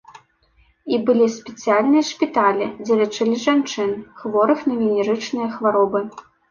І былі спецыяльныя шпіталі, дзе лячылі жанчын, хворых на венерычныя хваробы.